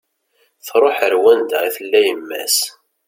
Truḥ ar wanda i tella yemma-s